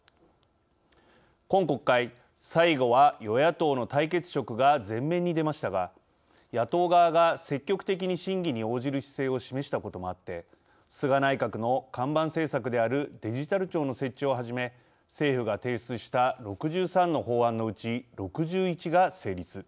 今国会、最後は与野党の対決色が前面に出ましたが野党側が積極的に審議に応じる姿勢を示したこともあって菅内閣の看板政策であるデジタル庁の設置をはじめ政府が提出した６３の法案のうち６１が成立。